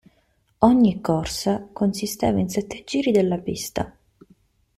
Ogni corsa consisteva in sette giri della pista.